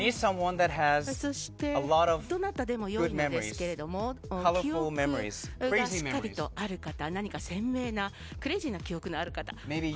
そしてどなたでもいいのですが記憶がしっかりとある方何か鮮明なクレイジーな記憶のある方。